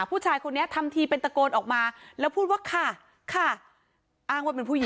ผู้ชายคนนี้ทำทีเป็นตะโกนออกมาแล้วพูดว่าค่ะค่ะอ้างว่าเป็นผู้หญิง